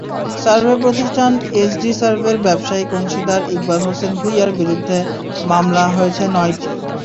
Survey প্রতিষ্ঠান SD সার্ভের ব্যবসায়িক অংশীদার ইকবাল হোসেন ভূইয়ার বিরুদ্ধে মামলা হয়েছে নয়টি।